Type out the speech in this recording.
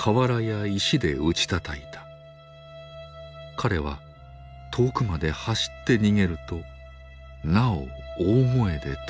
彼は遠くまで走って逃げるとなお大声で唱えて言った。